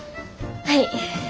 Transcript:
はい。